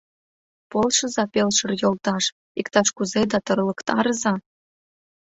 — Полшыза, пелшыр йолташ, иктаж-кузе да тырлыктарыза.